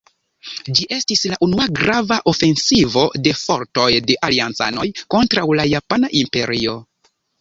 Ĝi estis la unua grava ofensivo de fortoj de Aliancanoj kontraŭ la Japana Imperio.